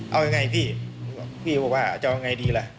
เอายังไงพี่พี่บอกว่าจะเอาไงดีล่ะ